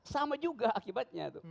sama juga akibatnya